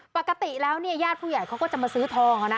ปกติแล้วเนี่ยญาติผู้ใหญ่เขาก็จะมาซื้อทอง